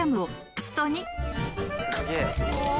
すげえ！